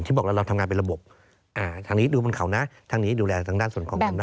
บอกแล้วเราทำงานเป็นระบบทางนี้ดูบนเขานะทางนี้ดูแลทางด้านส่วนของทางด้าน